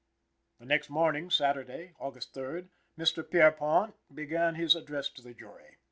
The next morning, Saturday, August 3d, Mr. Pierrepont began his address to the jury.